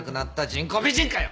人工美人かよ！